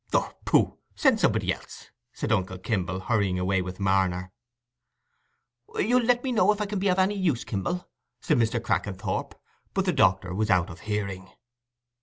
"Oh, pooh—send somebody else," said uncle Kimble, hurrying away with Marner. "You'll let me know if I can be of any use, Kimble," said Mr. Crackenthorp. But the doctor was out of hearing.